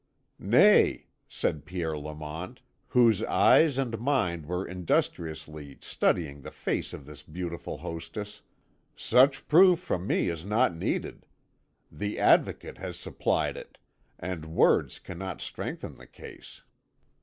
"Nay," said Pierre Lamont, whose eyes and mind were industriously studying the face of his beautiful hostess, "such proof from me is not needed. The Advocate has supplied it, and words cannot strengthen the case."